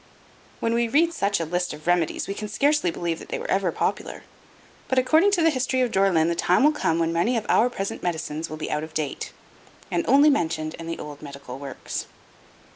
When we read such a list of remedies we can scarcely believe that they were ever popular, but according to the history of Dore lyn the time will come when many of our present medicines will be out of date, and only mentioned in the old medical works.